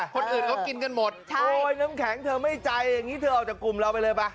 คนอื่นเขากินกันหมดโอ้ยน้ำแข็งเธอไม่ใจอย่างนี้เธอออกจากกลุ่มเราไปเลยป่ะ